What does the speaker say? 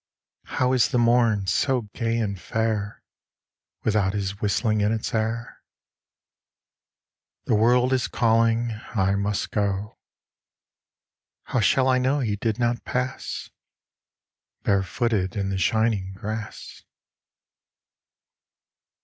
How is the morn so gay and fair Without his whistling in its air? The world is calling, I must go. How shall I know he did not pass Barefooted in the shining grass?